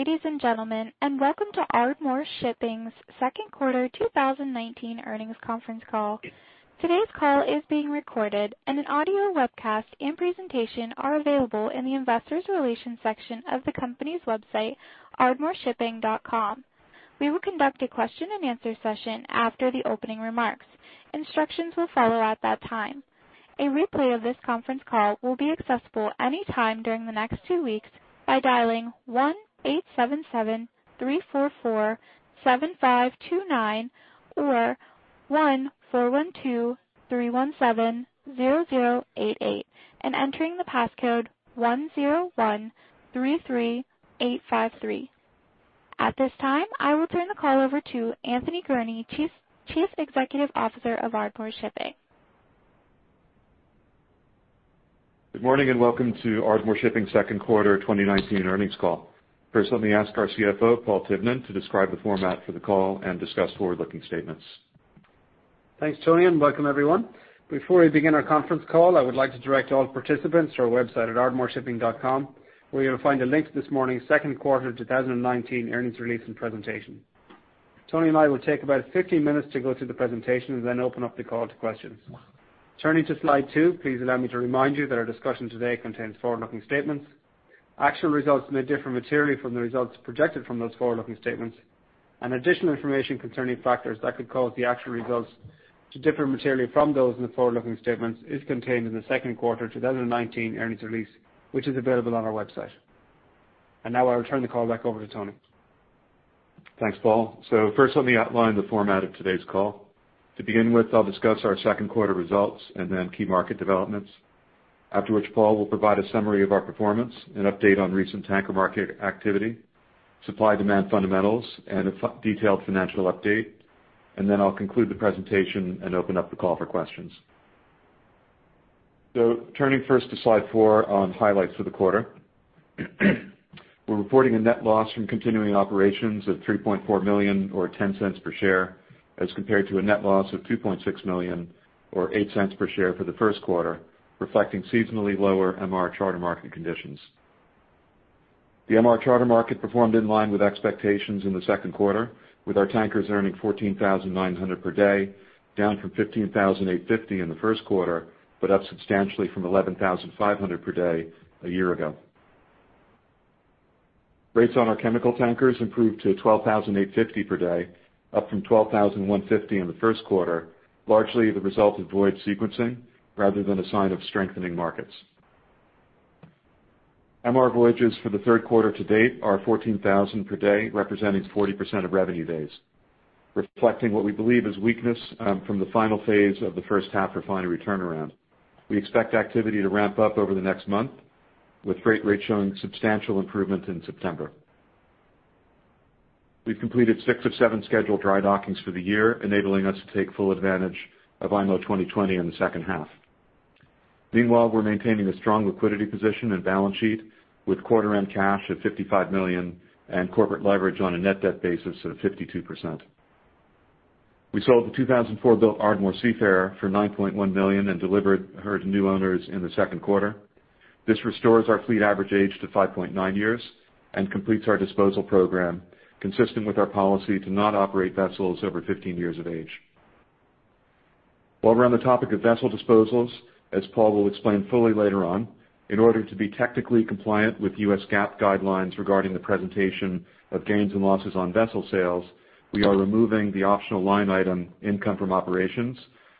Ladies and gentlemen, and welcome to Ardmore Shipping's Second Quarter 2019 Earnings Conference Call. Today's call is being recorded, and an audio webcast and presentation are available in the Investor Relations section of the company's website, ardmoreshipping.com. We will conduct a question-and-answer session after the opening remarks. Instructions will follow at that time. A replay of this conference call will be accessible anytime during the next two weeks by dialing 1-877-344-7529 or 1-412-317-0088, and entering the passcode 10133853. At this time, I will turn the call over to Anthony Gurnee, Chief, Chief Executive Officer of Ardmore Shipping. Good morning, and welcome to Ardmore Shipping's Second Quarter 2019 Earnings Call. First, let me ask our CFO, Paul Tivnan, to describe the format for the call and discuss forward-looking statements. Thanks, Tony, and welcome, everyone. Before we begin our conference call, I would like to direct all participants to our website at ardmoreshipping.com, where you'll find a link to this morning's Second Quarter 2019 Earnings release and presentation. Tony and I will take about 15 minutes to go through the presentation and then open up the call to questions. Turning to slide 2, please allow me to remind you that our discussion today contains forward-looking statements. Actual results may differ materially from the results projected from those forward-looking statements, and additional information concerning factors that could cause the actual results to differ materially from those in the forward-looking statements is contained in the Second Quarter 2019 Earnings release, which is available on our website. And now I will turn the call back over to Tony. Thanks, Paul. So first, let me outline the format of today's call. To begin with, I'll discuss our second quarter results and then key market developments. After which, Paul will provide a summary of our performance, an update on recent tanker market activity, supply-demand fundamentals, and a detailed financial update. And then I'll conclude the presentation and open up the call for questions. So turning first to slide 4 on highlights for the quarter. We're reporting a net loss from continuing operations of $3.4 million or $0.10 per share, as compared to a net loss of $2.6 million or $0.08 per share for the first quarter, reflecting seasonally lower MR charter market conditions. The MR charter market performed in line with expectations in the second quarter, with our tankers earning $14,900 per day, down from $15,850 in the first quarter, but up substantially from $11,500 per day a year ago. Rates on our chemical tankers improved to $12,850 per day, up from $12,150 in the first quarter, largely the result of voyage sequencing rather than a sign of strengthening markets. MR voyages for the third quarter-to-date are $14,000 per day, representing 40% of revenue days, reflecting what we believe is weakness from the final phase of the first half refinery turnaround. We expect activity to ramp up over the next month, with freight rates showing substantial improvement in September. We've completed 6 of 7 scheduled dry dockings for the year, enabling us to take full advantage of IMO 2020 in the second half. Meanwhile, we're maintaining a strong liquidity position and balance sheet with quarter-end cash of $55 million and corporate leverage on a net debt basis of 52%. We sold the 2004-built Ardmore Seafarer for $9.1 million and delivered her to new owners in the second quarter. This restores our fleet average age to 5.9 years and completes our disposal program, consistent with our policy to not operate vessels over 15 years of age. While we're on the topic of vessel disposals, as Paul will explain fully later on, in order to be technically compliant with U.S. GAAP guidelines regarding the presentation of gains and losses on vessel sales, we are removing the optional line item, income from operations,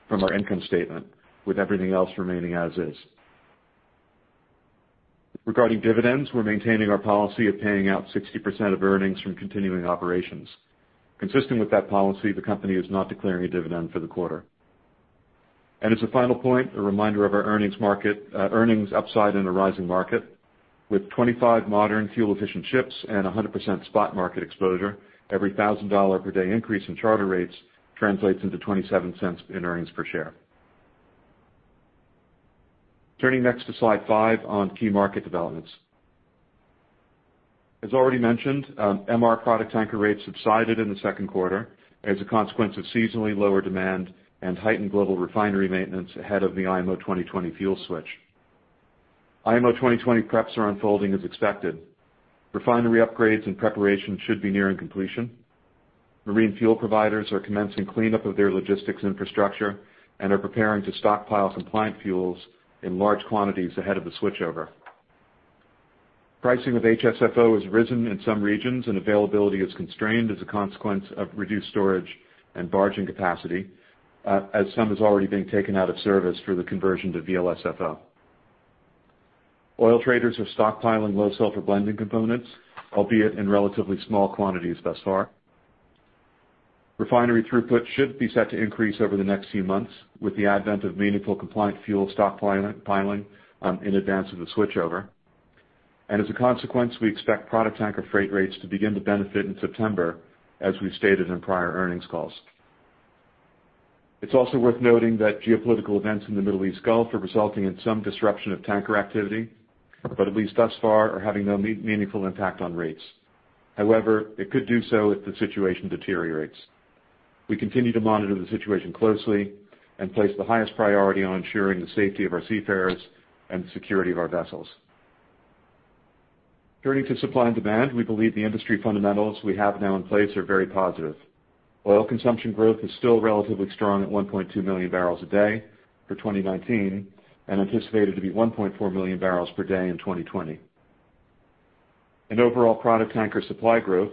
from our income statement, with everything else remaining as is. Regarding dividends, we're maintaining our policy of paying out 60% of earnings from continuing operations. Consistent with that policy, the company is not declaring a dividend for the quarter. And as a final point, a reminder of our earnings market, earnings upside in a rising market. With 25 modern, fuel-efficient ships and 100% spot market exposure, every $1,000 per day increase in charter rates translates into $0.27 in earnings per share. Turning next to slide 5 on key market developments. As already mentioned, MR product tanker rates subsided in the second quarter as a consequence of seasonally lower demand and heightened global refinery maintenance ahead of the IMO 2020 fuel switch. IMO 2020 preps are unfolding as expected. Refinery upgrades and preparation should be nearing completion. Marine fuel providers are commencing cleanup of their logistics infrastructure and are preparing to stockpile compliant fuels in large quantities ahead of the switchover. Pricing of HSFO has risen in some regions, and availability is constrained as a consequence of reduced storage and barging capacity, as some has already been taken out of service for the conversion to VLSFO. Oil traders are stockpiling low sulfur blending components, albeit in relatively small quantities thus far. Refinery throughput should be set to increase over the next few months, with the advent of meaningful compliant fuel stockpiling in advance of the switchover. As a consequence, we expect product tanker freight rates to begin to benefit in September, as we've stated in prior earnings calls. It's also worth noting that geopolitical events in the Middle East Gulf are resulting in some disruption of tanker activity, but at least thus far, are having no meaningful impact on rates. However, it could do so if the situation deteriorates.... We continue to monitor the situation closely, and place the highest priority on ensuring the safety of our seafarers and the security of our vessels. Turning to supply and demand, we believe the industry fundamentals we have now in place are very positive. Oil consumption growth is still relatively strong at 1.2 MMbpd for 2019, and anticipated to be 1.4 MMbpd in 2020. Overall, product tanker supply growth,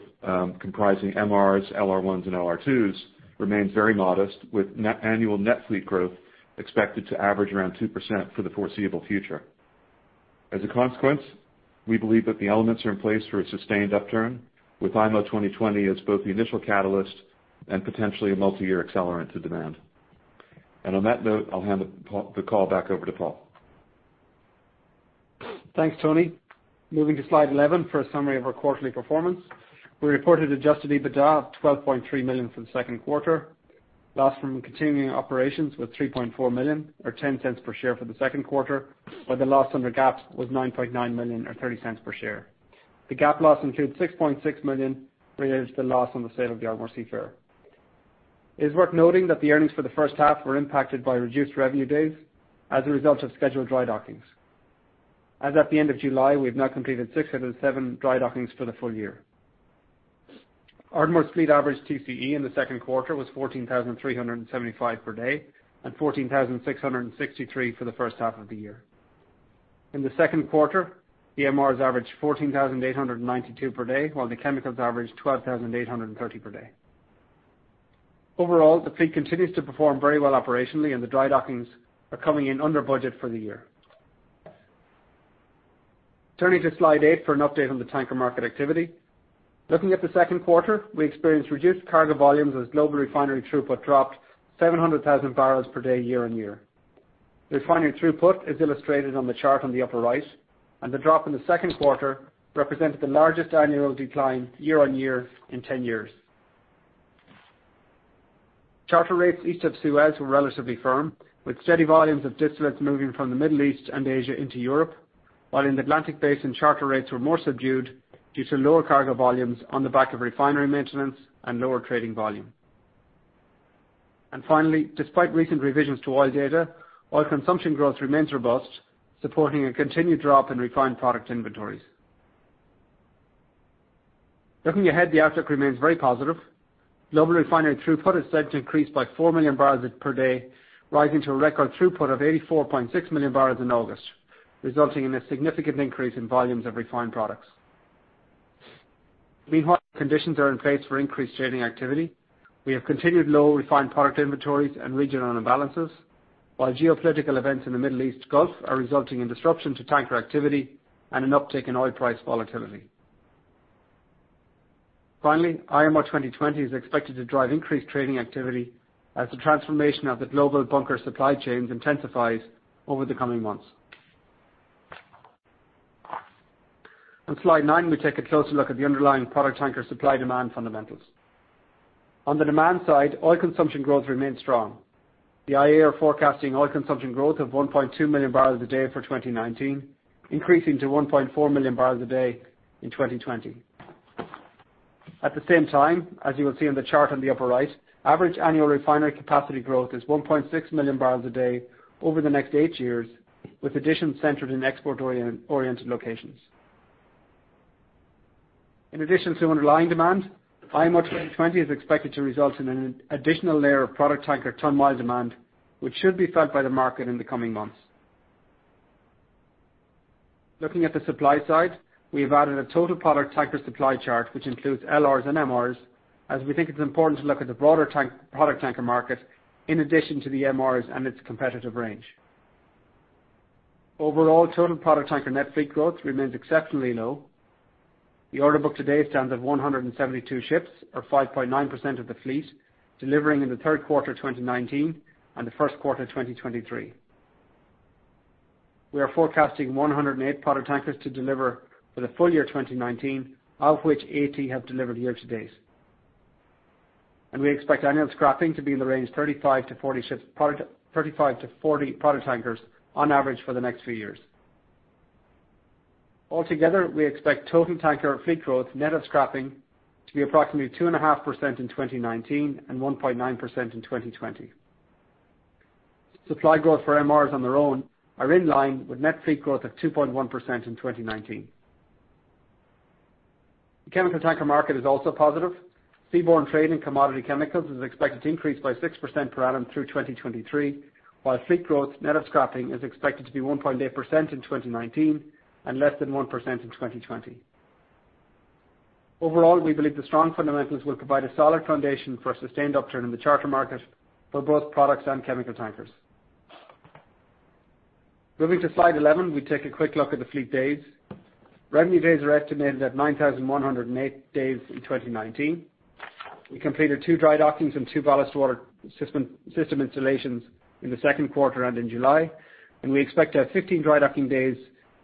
comprising MRs, LR1s, and LR2s, remains very modest, with net annual fleet growth expected to average around 2% for the foreseeable future. As a consequence, we believe that the elements are in place for a sustained upturn, with IMO 2020 as both the initial catalyst and potentially a multi-year accelerant to demand. On that note, I'll hand the call back over to Paul. Thanks, Tony. Moving to Slide 11 for a summary of our quarterly performance. We reported adjusted EBITDA of $12.3 million for the second quarter. Loss from continuing operations was $3.4 million, or $0.10 per share for the second quarter, but the loss under GAAP was $9.9 million, or $0.30 per share. The GAAP loss includes $6.6 million, related to the loss on the sale of the Ardmore Seafarer. It is worth noting that the earnings for the first half were impacted by reduced revenue days as a result of scheduled dry dockings. As at the end of July, we've now completed 6 out of 7 dry dockings for the full year. Ardmore's fleet average TCE in the second quarter was $14,375 per day, and $14,663 for the first half of the year. In the second quarter, the MRs averaged $14,892 per day, while the chemicals averaged $12,830 per day. Overall, the fleet continues to perform very well operationally, and the dry dockings are coming in under budget for the year. Turning to Slide 8 for an update on the tanker market activity. Looking at the second quarter, we experienced reduced cargo volumes as global refinery throughput dropped 700,000 bbl per day, year-on-year. The refinery throughput is illustrated on the chart on the upper right, and the drop in the second quarter represented the largest annual decline year-on-year in 10 years. Charter rates East of Suez were relatively firm, with steady volumes of distillates moving from the Middle East and Asia into Europe, while in the Atlantic Basin, charter rates were more subdued due to lower cargo volumes on the back of refinery maintenance and lower trading volume. And finally, despite recent revisions to oil data, oil consumption growth remains robust, supporting a continued drop in refined product inventories. Looking ahead, the outlook remains very positive. Global refinery throughput is set to increase by 4 MMbpd, rising to a record throughput of 84.6 million bbl in August, resulting in a significant increase in volumes of refined products. Meanwhile, conditions are in place for increased trading activity. We have continued low refined product inventories and regional imbalances, while geopolitical events in the Middle East Gulf are resulting in disruption to tanker activity and an uptick in oil price volatility. Finally, IMO 2020 is expected to drive increased trading activity as the transformation of the global bunker supply chains intensifies over the coming months. On Slide 9, we take a closer look at the underlying product tanker supply-demand fundamentals. On the demand side, oil consumption growth remains strong. The IEA are forecasting oil consumption growth of 1.2 MMbpd for 2019, increasing to 1.4 MMbpd in 2020. At the same time, as you will see on the chart on the upper right, average annual refinery capacity growth is 1.6 MMbpd over the next 8 years, with additions centered in export-oriented locations. In addition to underlying demand, IMO 2020 is expected to result in an additional layer of product tanker ton-mile demand, which should be felt by the market in the coming months. Looking at the supply side, we've added a total product tanker supply chart, which includes LRs and MRs, as we think it's important to look at the broader product tanker market, in addition to the MRs and its competitive range. Overall, total product tanker net fleet growth remains exceptionally low. The order book to date stands at 172 ships, or 5.9% of the fleet, delivering in the third quarter of 2019 and the first quarter of 2023. We are forecasting 108 product tankers to deliver for the full year 2019, of which 80 have delivered year-to-date. We expect annual scrapping to be in the range 35-40 product tankers on average for the next few years. Altogether, we expect total tanker fleet growth, net of scrapping, to be approximately 2.5% in 2019 and 1.9% in 2020. Supply growth for MRs on their own are in line with net fleet growth of 2.1% in 2019. The chemical tanker market is also positive. Seaborne trade in commodity chemicals is expected to increase by 6% per annum through 2023, while fleet growth, net of scrapping, is expected to be 1.8% in 2019 and less than 1% in 2020. Overall, we believe the strong fundamentals will provide a solid foundation for a sustained upturn in the charter market for both products and chemical tankers. Moving to Slide 11, we take a quick look at the fleet days. Revenue days are estimated at 9,108 days in 2019. We completed two dry dockings and two ballast water system installations in the second quarter and in July, and we expect to have 15 dry docking days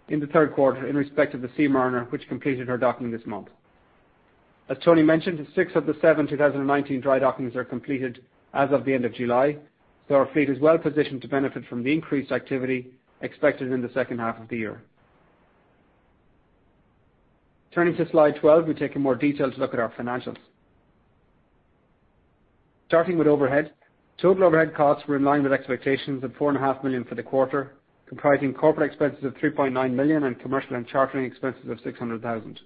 in the third quarter in respect of the Seamariner, which completed her docking this month. As Tony mentioned, six of the seven 2019 dry dockings are completed as of the end of July, so our fleet is well positioned to benefit from the increased activity expected in the second half of the year. Turning to Slide 12, we take a more detailed look at our financials. Starting with overhead, total overhead costs were in line with expectations of $4.5 million for the quarter, comprising corporate expenses of $3.9 million and commercial and chartering expenses of $600,000.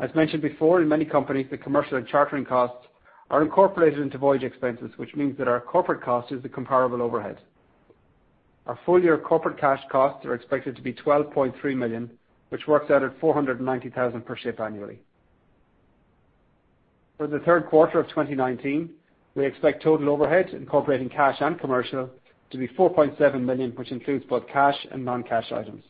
As mentioned before, in many companies, the commercial and chartering costs are incorporated into voyage expenses, which means that our corporate cost is the comparable overhead. Our full year corporate cash costs are expected to be $12.3 million, which works out at $490,000 per ship annually. For the third quarter of 2019, we expect total overhead, incorporating cash and commercial, to be $4.7 million, which includes both cash and non-cash items.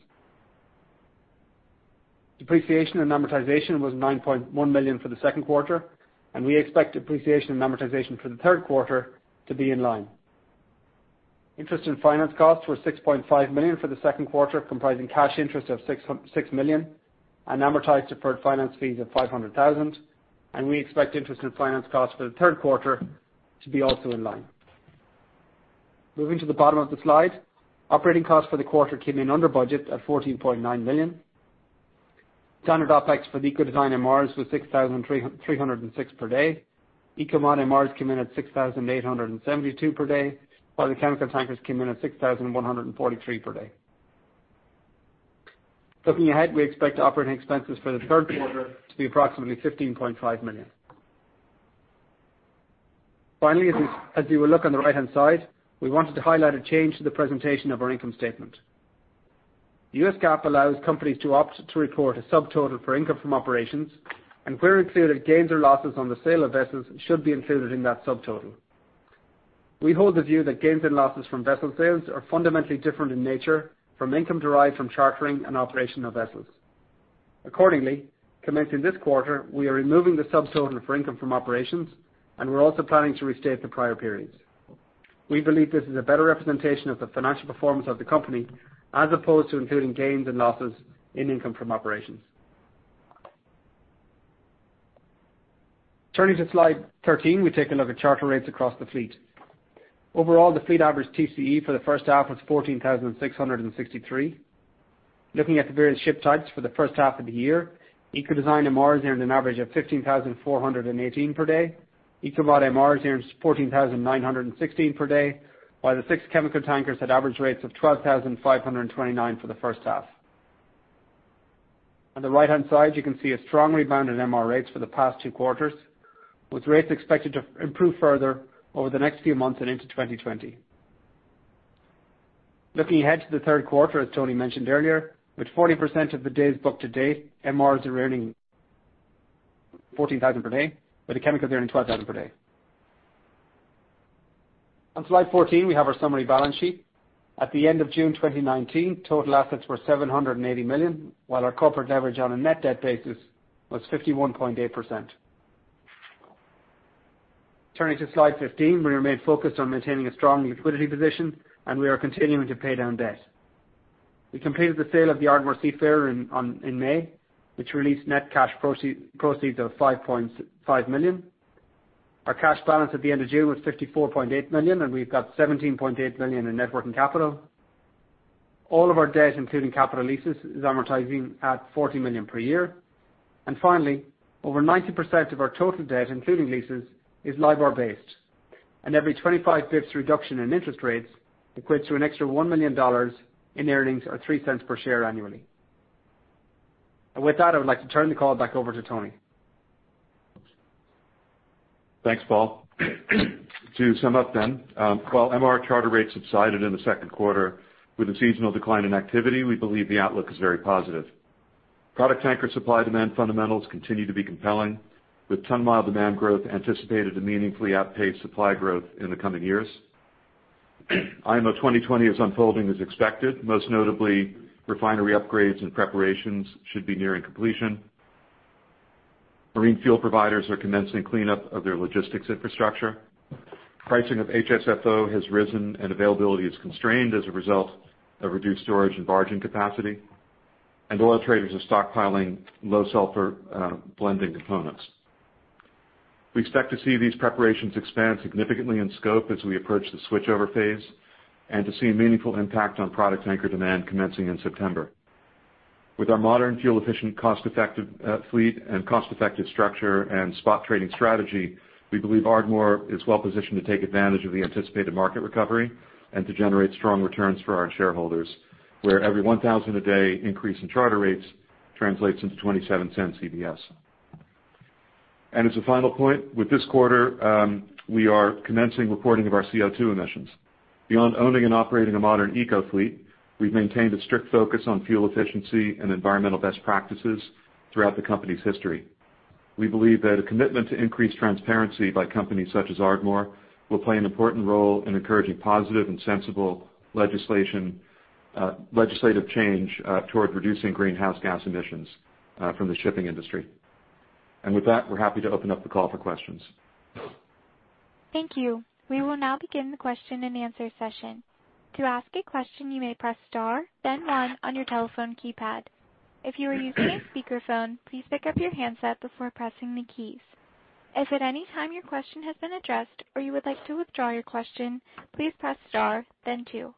Depreciation and amortization was $9.1 million for the second quarter, and we expect depreciation and amortization for the third quarter to be in line. Interest and finance costs were $6.5 million for the second quarter, comprising cash interest of $6 million and amortized deferred finance fees of $500,000, and we expect interest and finance costs for the third quarter to be also in line. Moving to the bottom of the slide, operating costs for the quarter came in under budget at $14.9 million. Standard OpEx for the Eco Design MRs was $6,306 per day. Eco Mod MRs came in at $6,872 per day, while the chemical tankers came in at $6,143 per day. Looking ahead, we expect operating expenses for the third quarter to be approximately $15.5 million. Finally, as you will look on the right-hand side, we wanted to highlight a change to the presentation of our income statement. US GAAP allows companies to opt to report a subtotal for income from operations, and where included gains or losses on the sale of vessels should be included in that subtotal. We hold the view that gains and losses from vessel sales are fundamentally different in nature from income derived from chartering and operation of vessels. Accordingly, commencing this quarter, we are removing the subtotal for income from operations, and we're also planning to restate the prior periods. We believe this is a better representation of the financial performance of the company, as opposed to including gains and losses in income from operations. Turning to Slide 13, we take a look at charter rates across the fleet. Overall, the fleet average TCE for the first half was $14,663. Looking at the various ship types for the first half of the year, Eco Design MRs earned an average of $15,418 per day. Eco Mod MRs earned $14,916 per day, while the six chemical tankers had average rates of $12,529 for the first half. On the right-hand side, you can see a strong rebound in MR rates for the past two quarters, with rates expected to improve further over the next few months and into 2020. Looking ahead to the third quarter, as Tony mentioned earlier, with 40% of the days booked to date, MRs are earning $14,000 per day, but the chemicals are earning $12,000 per day. On Slide 14, we have our summary balance sheet. At the end of June 2019, total assets were $780 million, while our corporate leverage on a net debt basis was 51.8%. Turning to Slide 15, we remain focused on maintaining a strong liquidity position, and we are continuing to pay down debt. We completed the sale of the Ardmore Seafarer in May, which released net cash proceeds of $5.5 million. Our cash balance at the end of June was $54.8 million, and we've got $17.8 million in net working capital. All of our debt, including capital leases, is amortizing at $40 million per year. Finally, over 90% of our total debt, including leases, is LIBOR-based, and every 25 basis points reduction in interest rates equates to an extra $1 million in earnings or $0.03 per share annually. With that, I would like to turn the call back over to Tony. Thanks, Paul. To sum up then, while MR charter rates subsided in the second quarter with a seasonal decline in activity, we believe the outlook is very positive. Product tanker supply-demand fundamentals continue to be compelling, with ton mile demand growth anticipated to meaningfully outpace supply growth in the coming years. IMO 2020 is unfolding as expected. Most notably, refinery upgrades and preparations should be nearing completion. Marine fuel providers are commencing cleanup of their logistics infrastructure. Pricing of HSFO has risen, and availability is constrained as a result of reduced storage and barging capacity, and oil traders are stockpiling low sulfur blending components. We expect to see these preparations expand significantly in scope as we approach the switchover phase and to see a meaningful impact on product tanker demand commencing in September. With our modern, fuel-efficient, cost-effective fleet and cost-effective structure and spot trading strategy, we believe Ardmore is well positioned to take advantage of the anticipated market recovery and to generate strong returns for our shareholders, where every 1,000 a day increase in charter rates translates into $0.27 EPS. And as a final point, with this quarter, we are commencing recording of our CO2 emissions. Beyond owning and operating a modern eco fleet, we've maintained a strict focus on fuel efficiency and environmental best practices throughout the company's history. We believe that a commitment to increase transparency by companies such as Ardmore will play an important role in encouraging positive and sensible legislation, legislative change, toward reducing greenhouse gas emissions from the shipping industry. And with that, we're happy to open up the call for questions. Thank you. We will now begin the question and answer session. To ask a question, you may press star, then one on your telephone keypad. If you are using a speakerphone, please pick up your handset before pressing the keys. If at any time your question has been addressed or you would like to withdraw your question, please press star, then two.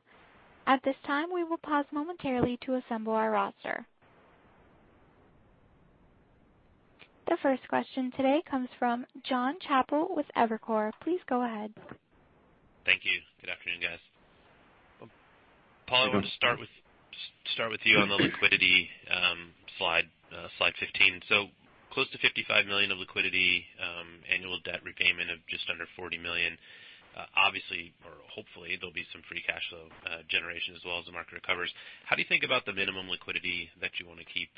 At this time, we will pause momentarily to assemble our roster. The first question today comes from John Chappell with Evercore. Please go ahead. Thank you. Good afternoon, guys. Paul, I want to start with, start with you on the liquidity slide, slide 15. So close to $55 million of liquidity, annual debt repayment of just under $40 million. Obviously, or hopefully, there'll be some free cash flow generation as well as the market recovers. How do you think about the minimum liquidity that you want to keep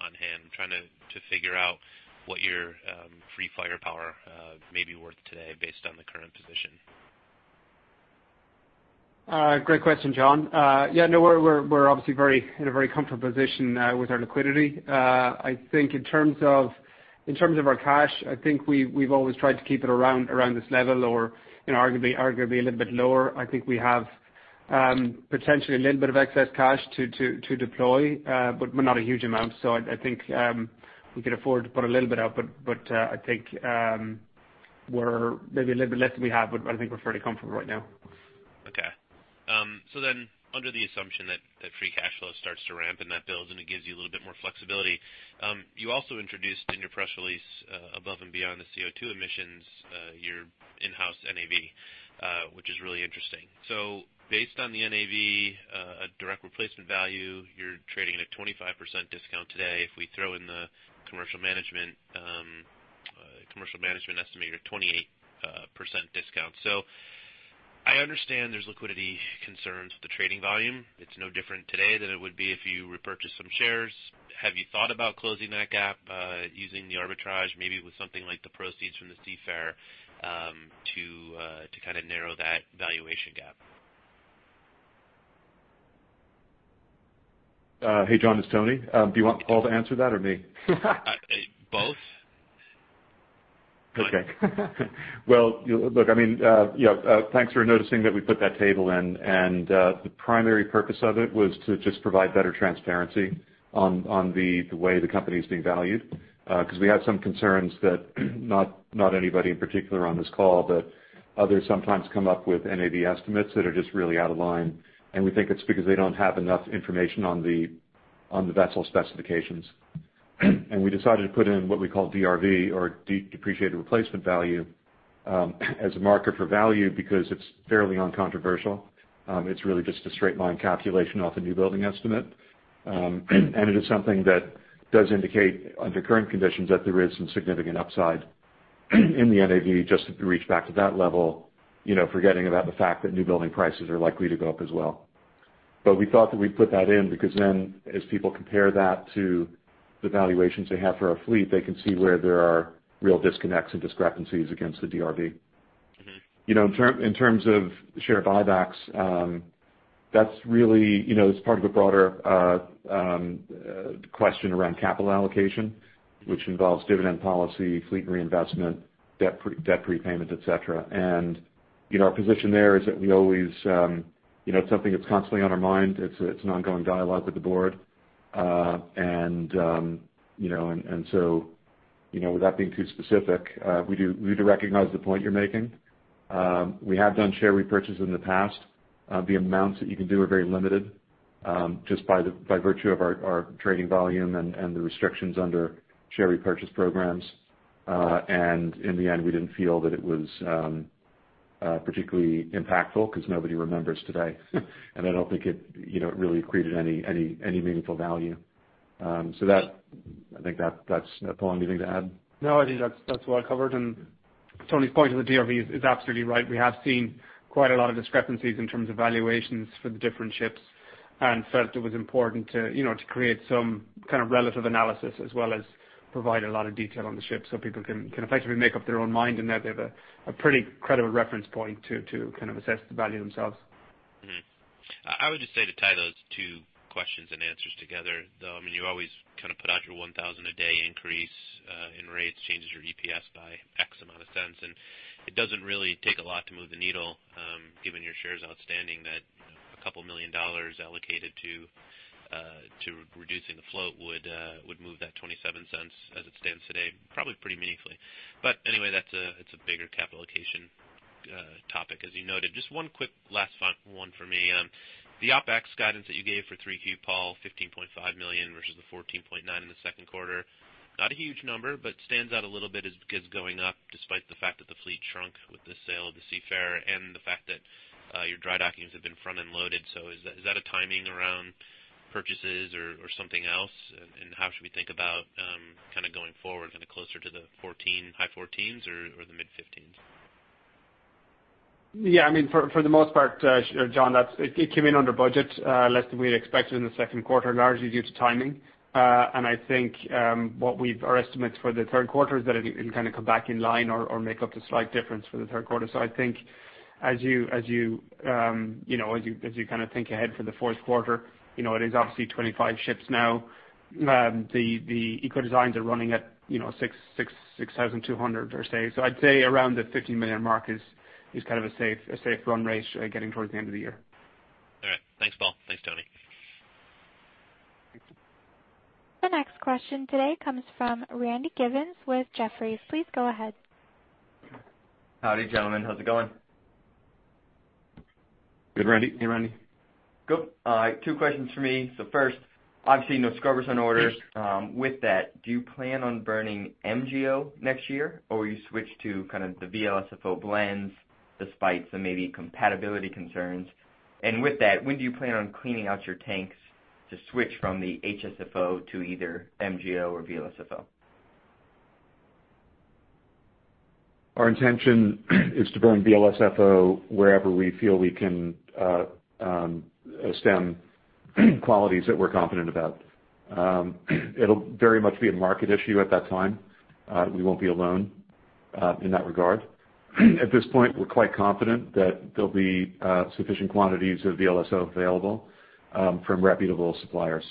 on hand? I'm trying to figure out what your free firepower may be worth today based on the current position. Great question, John. Yeah, no, we're obviously very in a very comfortable position with our liquidity. I think in terms of our cash, I think we've always tried to keep it around this level or, you know, arguably a little bit lower. I think we have potentially a little bit of excess cash to deploy, but not a huge amount. So I think we could afford to put a little bit out, but I think we're maybe a little bit less than we have, but I think we're fairly comfortable right now. Okay. So then under the assumption that free cash flow starts to ramp and that builds and it gives you a little bit more flexibility, you also introduced in your press release, above and beyond the CO2 emissions, your in-house NAV, which is really interesting. So based on the NAV, a depreciated replacement value, you're trading at a 25% discount today. If we throw in the commercial management, commercial management estimator, 28% discount. So I understand there's liquidity concerns with the trading volume. It's no different today than it would be if you repurchased some shares. Have you thought about closing that gap, using the arbitrage, maybe with something like the proceeds from the Seafarer, to kind of narrow that valuation gap? Hey, John, it's Tony. Do you want Paul to answer that or me? Uh, both. Okay. Well, look, I mean, you know, thanks for noticing that we put that table in, and the primary purpose of it was to just provide better transparency on the way the company is being valued. Because we had some concerns that not anybody in particular on this call, but others sometimes come up with NAV estimates that are just really out of line. And we think it's because they don't have enough information on the vessel specifications. And we decided to put in what we call DRV or Depreciated Replacement Value as a marker for value, because it's fairly uncontroversial. It's really just a straight line calculation off a new building estimate. And it is something that does indicate, under current conditions, that there is some significant upside in the NAV just to reach back to that level, you know, forgetting about the fact that new building prices are likely to go up as well. But we thought that we'd put that in because then as people compare that to the valuations they have for our fleet, they can see where there are real disconnects and discrepancies against the DRV. You know, in terms of share buybacks, that's really, you know, it's part of a broader question around capital allocation, which involves dividend policy, fleet reinvestment, debt prepayment, et cetera. You know, our position there is that we always, you know, it's something that's constantly on our mind. It's an ongoing dialogue with the board. You know, without being too specific, we do recognize the point you're making. We have done share repurchase in the past. The amounts that you can do are very limited, just by virtue of our trading volume and the restrictions under share repurchase programs. In the end, we didn't feel that it was particularly impactful because nobody remembers today. I don't think it, you know, it really created any meaningful value. So that—I think that's... Paul, anything to add? No, I think that's well covered. And Tony's point of the DRV is absolutely right. We have seen quite a lot of discrepancies in terms of valuations for the different ships and felt it was important to, you know, to create some kind of relative analysis as well as provide a lot of detail on the ship so people can effectively make up their own mind, and that they have a pretty credible reference point to kind of assess the value themselves. I would just say to tie those two questions and answers together, though. I mean, you always kind of put out your $1,000 a day increase in rates changes your EPS by X amount of cents, and it doesn't really take a lot to move the needle, given your shares outstanding, that $2 million allocated to reducing the float would move that $0.27 as it stands today, probably pretty meaningfully. But anyway, that's a, it's a bigger capital allocation topic, as you noted. Just one quick last one for me. The OpEx guidance that you gave for Q3, Paul, $15.5 million versus the $14.9 million in the second quarter, not a huge number, but stands out a little bit because going up despite the fact that the fleet shrunk with the sale of the Seafarer and the fact that your dry dockings have been front-loaded. So is that, is that a timing around purchases or, or something else? And, and how should we think about kind of going forward, kind of closer to the 14, high 14s or, or the mid-15s? Yeah, I mean, for the most part, John, that's... It came in under budget, less than we had expected in the second quarter, largely due to timing. And I think what we've-- our estimates for the third quarter is that it can kind of come back in line or make up the slight difference for the third quarter. So I think as you, you know, as you kind of think ahead for the fourth quarter, you know, it is obviously 25 ships now. The Eco designs are running at, you know, 6,200 per day. So I'd say around the $15 million mark is kind of a safe run rate, getting towards the end of the year. All right. Thanks, Paul. Thanks, Tony. The next question today comes from Randy Giveans with Jefferies. Please go ahead. Howdy, gentlemen. How's it going? Good, Randy. Hey, Randy. Good. Two questions for me. So first, obviously, no scrubbers on orders. With that, do you plan on burning MGO next year, or will you switch to kind of the VLSFO blends despite some maybe compatibility concerns? And with that, when do you plan on cleaning out your tanks to switch from the HSFO to either MGO or VLSFO? Our intention is to burn VLSFO wherever we feel we can stem quantities that we're confident about. It'll very much be a market issue at that time. We won't be alone in that regard. At this point, we're quite confident that there'll be sufficient quantities of VLSFO available from reputable suppliers.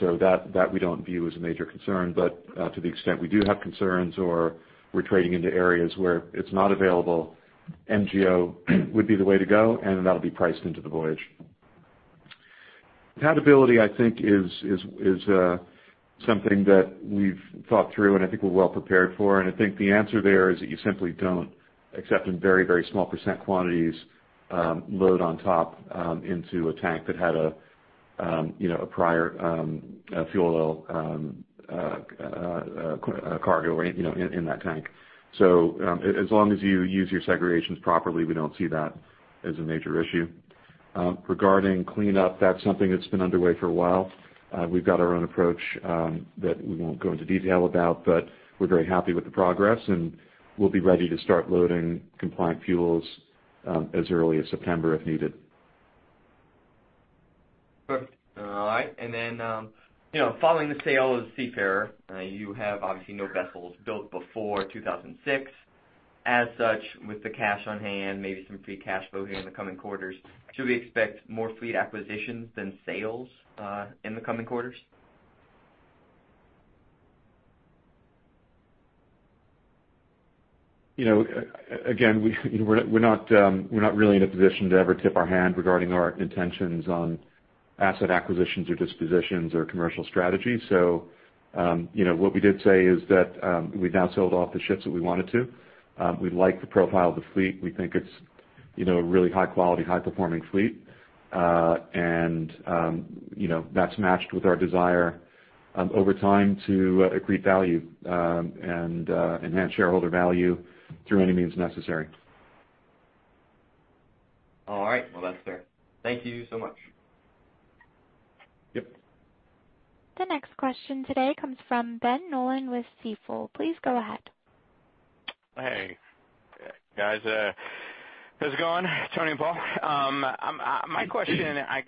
So that we don't view as a major concern. But to the extent we do have concerns or we're trading into areas where it's not available, MGO would be the way to go, and that'll be priced into the voyage. Compatibility, I think, is something that we've thought through, and I think we're well prepared for. I think the answer there is that you simply don't, except in very, very small percent quantities, load on top, into a tank that had a, you know, a prior, a fuel oil, cargo, you know, in, in that tank. So, as long as you use your segregations properly, we don't see that as a major issue. Regarding cleanup, that's something that's been underway for a while. We've got our own approach, that we won't go into detail about, but we're very happy with the progress, and we'll be ready to start loading compliant fuels, as early as September, if needed. Perfect. All right. And then, you know, following the sale of Seafarer, you have obviously no vessels built before 2006. As such, with the cash on hand, maybe some free cash flow here in the coming quarters, should we expect more fleet acquisitions than sales in the coming quarters? You know, again, we're not really in a position to ever tip our hand regarding our intentions on asset acquisitions or dispositions or commercial strategy. So, you know, what we did say is that we've now sold off the ships that we wanted to. We like the profile of the fleet. We think it's, you know, a really high quality, high-performing fleet. And, you know, that's matched with our desire over time to accrete value and enhance shareholder value through any means necessary. All right. Well, that's fair. Thank you so much. Yep. The next question today comes from Ben Nolan with Stifel. Please go ahead. Hey, guys. How's it going, Tony and Paul? My question, I,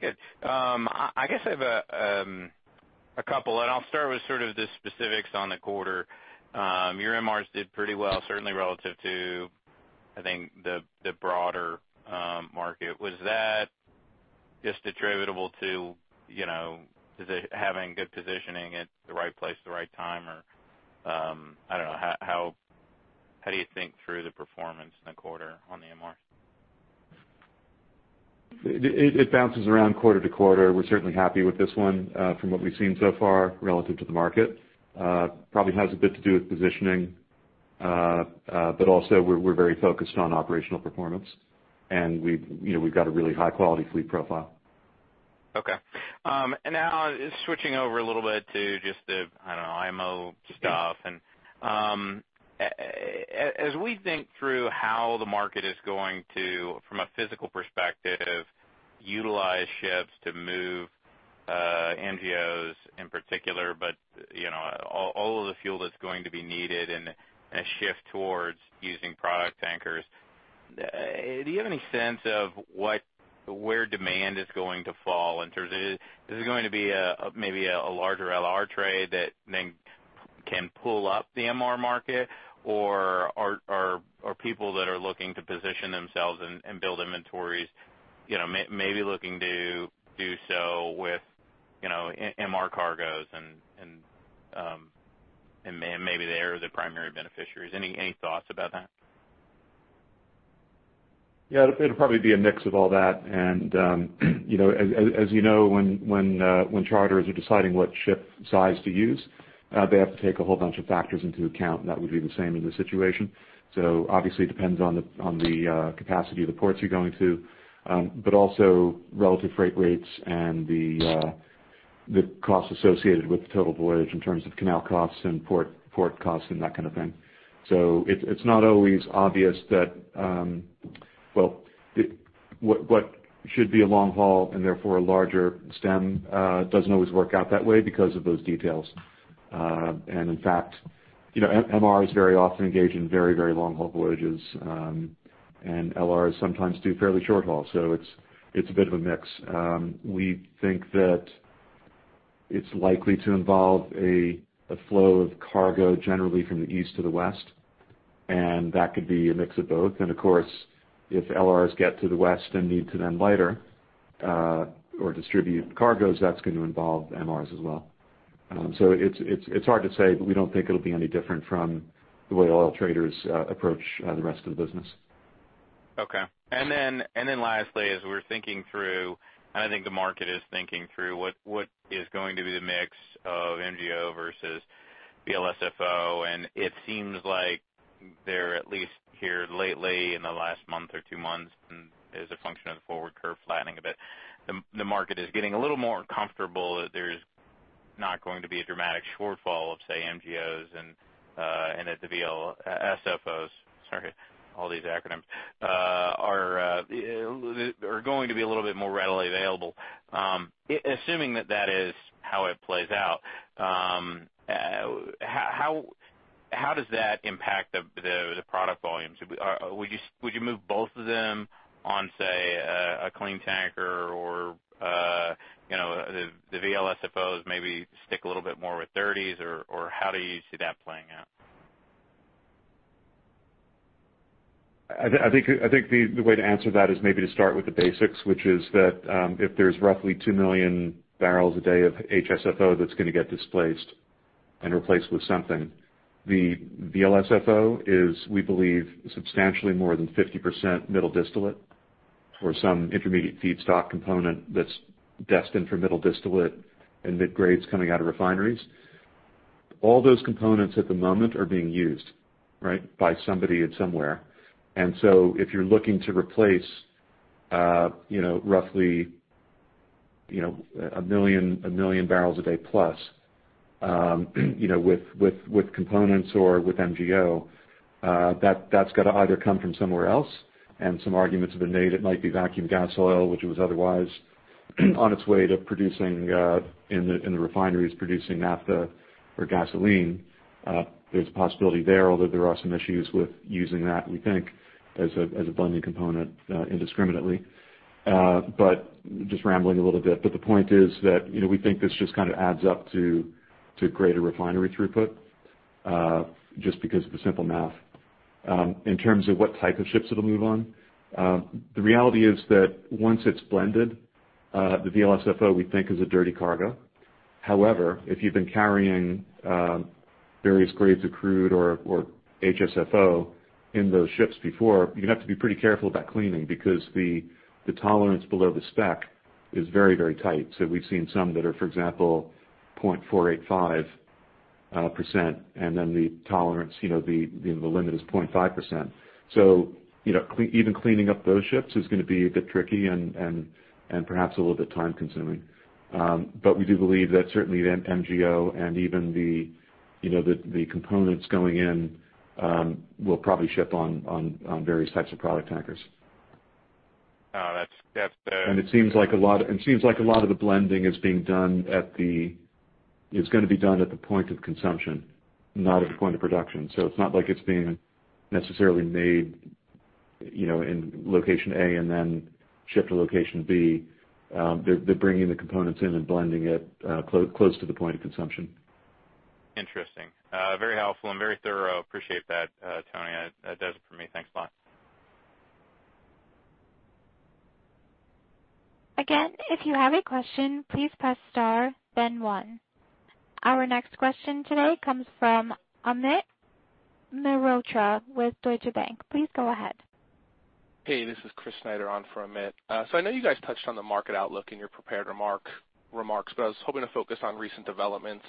Good. I guess I have a couple, and I'll start with sort of the specifics on the quarter. Your MRs did pretty well, certainly relative to, I think, the broader market. Was that just attributable to, you know, to the having good positioning at the right place, the right time, or, I don't know, how do you think through the performance in the quarter on the MRs? It bounces around quarter-to-quarter. We're certainly happy with this one, from what we've seen so far relative to the market. Probably has a bit to do with positioning, but also we're very focused on operational performance, and we've, you know, got a really high-quality fleet profile. Okay. And now switching over a little bit to just the, I don't know, IMO stuff. As we think through how the market is going to, from a physical perspective, utilize ships to move MGOs in particular, but, you know, all of the fuel that's going to be needed and a shift towards using product tankers, do you have any sense of what, where demand is going to fall in terms of? Is it going to be maybe a larger LR trade that then can pull up the MR market? Or are people that are looking to position themselves and build inventories, you know, maybe looking to do so with, you know, MR cargoes and maybe they are the primary beneficiaries. Any thoughts about that? Yeah, it'll probably be a mix of all that. And, you know, as you know, when charters are deciding what ship size to use, they have to take a whole bunch of factors into account, and that would be the same in this situation. So obviously, it depends on the capacity of the ports you're going to, but also relative freight rates and the costs associated with the total voyage in terms of canal costs and port costs and that kind of thing. So it's not always obvious that, well, what should be a long haul and therefore a larger stem doesn't always work out that way because of those details. And in fact, you know, MR is very often engaged in very, very long-haul voyages, and LRs sometimes do fairly short hauls, so it's a bit of a mix. We think that it's likely to involve a flow of cargo generally from the east to the west, and that could be a mix of both. And of course, if LRs get to the west and need to then lighter or distribute cargoes, that's going to involve MRs as well. So it's hard to say, but we don't think it'll be any different from the way oil traders approach the rest of the business. Okay. And then lastly, as we're thinking through, and I think the market is thinking through, what is going to be the mix of MGO versus VLSFO? And it seems like they're at least here lately, in the last month or two months, and as a function of the forward curve flattening a bit, the market is getting a little more comfortable that there's not going to be a dramatic shortfall of, say, MGOs and that the VLSFOs, sorry, all these acronyms, are going to be a little bit more readily available. Assuming that that is how it plays out, how does that impact the product volumes? Would you, would you move both of them on, say, a clean tanker or, you know, the VLSFOs maybe stick a little bit more with dirties, or, or how do you see that playing out? I think the way to answer that is maybe to start with the basics, which is that, if there's roughly 2 MMbpd of HSFO that's gonna get displaced and replaced with something, the VLSFO is, we believe, substantially more than 50% middle distillate or some intermediate feedstock component that's destined for middle distillate and mid grades coming out of refineries. All those components at the moment are being used, right? By somebody at somewhere. And so if you're looking to replace, you know, roughly, you know, 1 million, 1 MMbpd plus, you know, with components or with MGO, that's got to either come from somewhere else, and some arguments have been made, it might be vacuum gas oil, which was otherwise on its way to producing in the refineries, producing naphtha or gasoline. There's a possibility there, although there are some issues with using that, we think, as a blending component indiscriminately. But just rambling a little bit. But the point is that, you know, we think this just kind of adds up to greater refinery throughput, just because of the simple math. In terms of what type of ships it'll move on, the reality is that once it's blended, the VLSFO, we think, is a dirty cargo. However, if you've been carrying various grades of crude or HSFO in those ships before, you're gonna have to be pretty careful about cleaning because the tolerance below the spec is very, very tight. So we've seen some that are, for example, 0.485%, and then the tolerance, you know, the limit is 0.5%. So, you know, even cleaning up those ships is gonna be a bit tricky and perhaps a little bit time consuming. But we do believe that certainly the MGO and even the components going in will probably ship on various types of product tankers. Oh, that's— It seems like a lot of the blending is being done at the point of consumption, not at the point of production. It's not like it's being necessarily made, you know, in location A and then shipped to location B. They're bringing the components in and blending it close to the point of consumption. Interesting. Very helpful and very thorough. Appreciate that, Tony. That does it for me. Thanks a lot. Again, if you have a question, please press Star, then one. Our next question today comes from Amit Mehrotra with Deutsche Bank. Please go ahead. Hey, this is Chris Snyder on for Amit. So I know you guys touched on the market outlook in your prepared remarks, but I was hoping to focus on recent developments.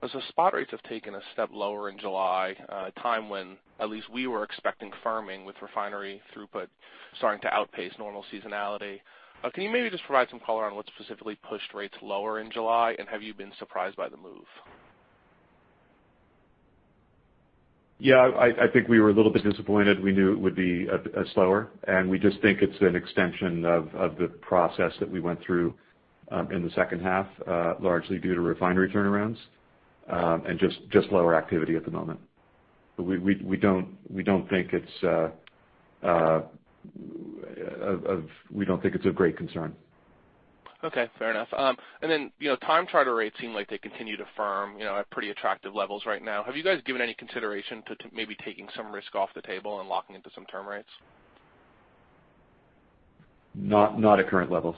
But so spot rates have taken a step lower in July, a time when at least we were expecting firming with refinery throughput starting to outpace normal seasonality. Can you maybe just provide some color on what specifically pushed rates lower in July, and have you been surprised by the move? Yeah, I think we were a little bit disappointed. We knew it would be a slower, and we just think it's an extension of the process that we went through in the second half, largely due to refinery turnarounds, and just lower activity at the moment. But we don't think it's of great concern. Okay, fair enough. And then, you know, time charter rates seem like they continue to firm, you know, at pretty attractive levels right now. Have you guys given any consideration to maybe taking some risk off the table and locking into some term rates? Not, not at current levels.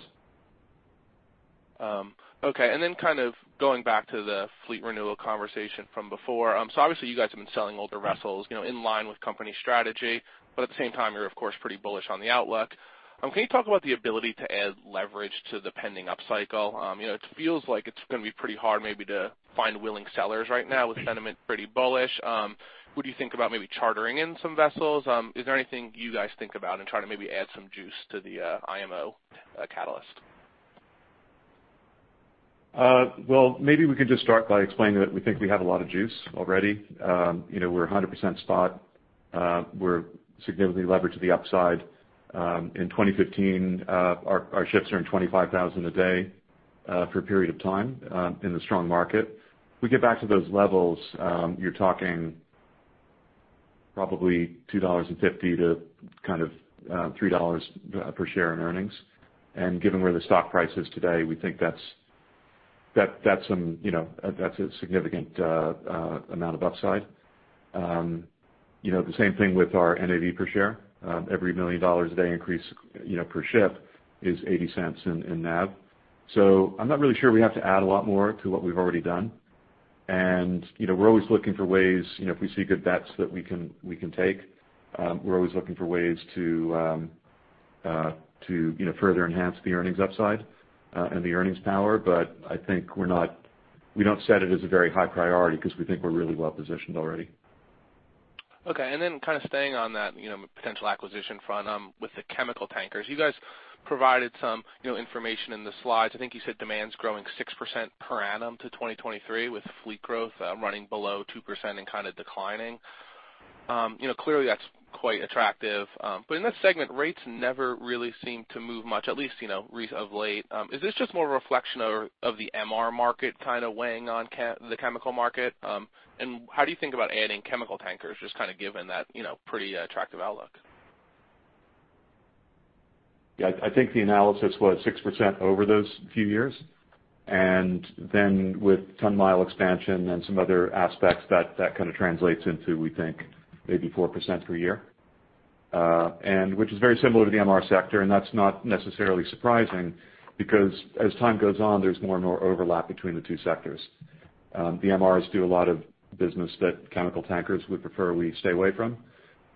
Okay, and then kind of going back to the fleet renewal conversation from before. So obviously you guys have been selling older vessels, you know, in line with company strategy, but at the same time, you're of course pretty bullish on the outlook. Can you talk about the ability to add leverage to the pending upcycle? You know, it feels like it's gonna be pretty hard maybe to find willing sellers right now with sentiment pretty bullish. Would you think about maybe chartering in some vessels? Is there anything you guys think about in trying to maybe add some juice to the IMO catalyst? Well, maybe we can just start by explaining that we think we have a lot of juice already. You know, we're 100% spot. We're significantly leveraged to the upside. In 2015, our ships are in $25,000 a day, for a period of time, in the strong market. We get back to those levels, you're talking probably $2.50-$3 per share in earnings. And given where the stock price is today, we think that's, you know, that's a significant amount of upside. You know, the same thing with our NAV per share. Every $1 million a day increase, you know, per ship is $0.80 in NAV. So I'm not really sure we have to add a lot more to what we've already done. And, you know, we're always looking for ways, you know, if we see good bets that we can, we can take, we're always looking for ways to, you know, further enhance the earnings upside, and the earnings power. But I think we're not—we don't set it as a very high priority because we think we're really well positioned already. Okay. Then kind of staying on that, you know, potential acquisition front, with the chemical tankers. You guys provided some, you know, information in the slides. I think you said demand's growing 6% per annum to 2023, with fleet growth running below 2% and kind of declining. You know, clearly, that's quite attractive, but in this segment, rates never really seem to move much, at least, you know, of late. Is this just more a reflection of the MR market kind of weighing on the chemical market? And how do you think about adding chemical tankers, just kind of given that, you know, pretty attractive outlook? Yeah, I think the analysis was 6% over those few years. And then with ton-mile expansion and some other aspects, that kind of translates into, we think, maybe 4% per year. And which is very similar to the MR sector, and that's not necessarily surprising, because as time goes on, there's more and more overlap between the two sectors. The MRs do a lot of business that chemical tankers would prefer we stay away from.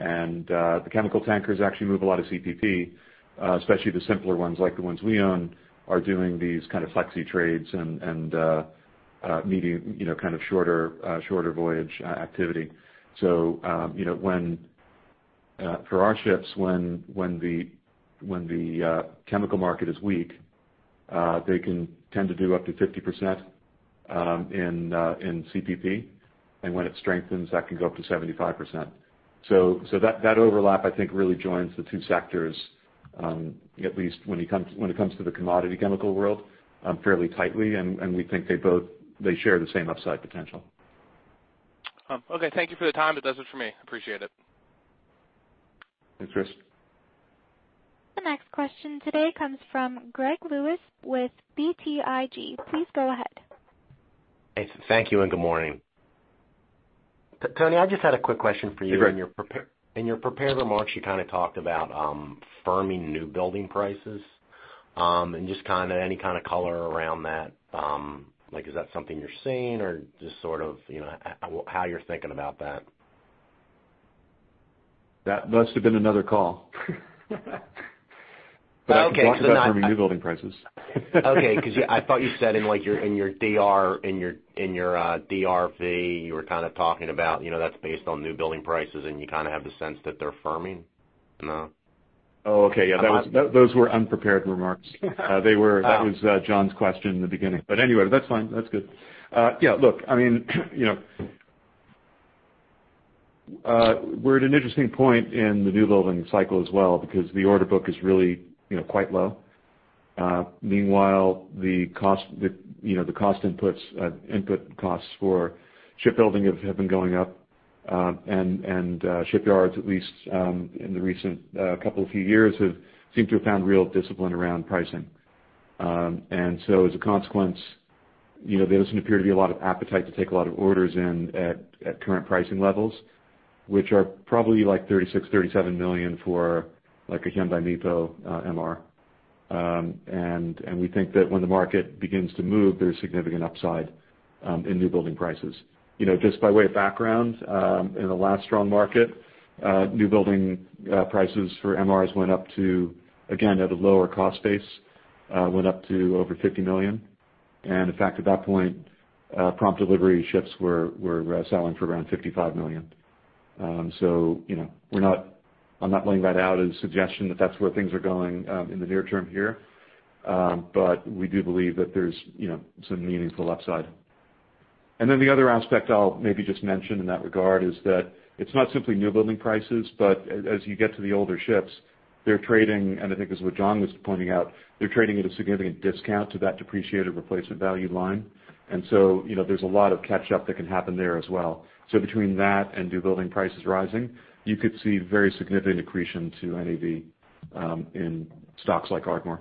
And the chemical tankers actually move a lot of CPP, especially the simpler ones, like the ones we own, are doing these kind of flexi trades and needing, you know, kind of shorter voyage activity. So, you know, when... For our ships, when the chemical market is weak, they can tend to do up to 50% in CPP, and when it strengthens, that can go up to 75%. So that overlap, I think, really joins the two sectors, at least when it comes to the commodity chemical world, fairly tightly, and we think they both share the same upside potential. Okay. Thank you for the time. That does it for me. Appreciate it. Thanks, Chris. The next question today comes from Greg Lewis with BTIG. Please go ahead. Thank you and good morning. Tony, I just had a quick question for you. Hey, Greg. In your prepared remarks, you kind of talked about firming new building prices, and just kind of any kind of color around that. Like, is that something you're seeing or just sort of, you know, how you're thinking about that? That must have been another call. Okay, so then I- Talk about new building prices. Okay, 'cause I thought you said in, like, in your DRV, you were kind of talking about, you know, that's based on new building prices, and you kind of have the sense that they're firming? No. Oh, okay. Yeah. Um- Those, those were unprepared remarks. They were- Oh. That was John's question in the beginning. But anyway, that's fine. That's good. Yeah, look, I mean, you know, we're at an interesting point in the new building cycle as well, because the order book is really, you know, quite low. Meanwhile, the cost inputs, you know, input costs for shipbuilding have been going up, and shipyards, at least, in the recent couple of years, have seemed to have found real discipline around pricing. And so as a consequence, you know, there doesn't appear to be a lot of appetite to take a lot of orders in at current pricing levels, which are probably, like, $36 million-$37 million for like a Hyundai Mipo MR. We think that when the market begins to move, there's significant upside in new building prices. You know, just by way of background, in the last strong market, new building prices for MRs went up to, again, at a lower cost base, went up to over $50 million. And in fact, at that point, prompt delivery ships were selling for around $55 million. So, you know, we're not- I'm not laying that out as a suggestion that that's where things are going in the near term here. But we do believe that there's, you know, some meaningful upside. Then the other aspect I'll maybe just mention in that regard is that it's not simply new building prices, but as you get to the older ships, they're trading, and I think this is what John was pointing out, they're trading at a significant discount to that depreciated replacement value line. So, you know, there's a lot of catch up that can happen there as well. So between that and new building prices rising, you could see very significant accretion to NAV in stocks like Ardmore.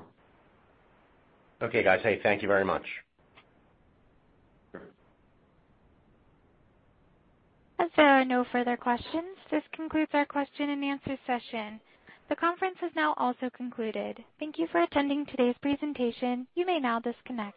Okay, guys. Hey, thank you very much. Sure. As there are no further questions, this concludes our question and answer session. The conference is now also concluded. Thank you for attending today's presentation. You may now disconnect.